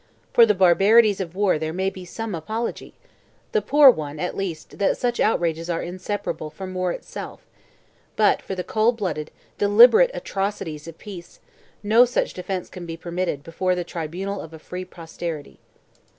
For the barbarities of war there may be some apology, the poor one at least that such outrages are inseparable from war itself; but for the cold blooded, deliberate atrocities of peace, no such defence can be permitted before the tribunal of a free posterity.